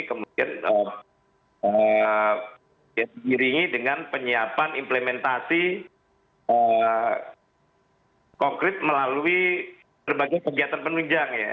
kemudian diiringi dengan penyiapan implementasi konkret melalui berbagai kegiatan penunjang ya